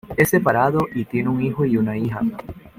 Es separado y tiene un hijo y una hija.